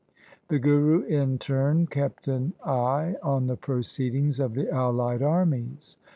The Guru in turn kept an eye on the proceedings of the allied armies.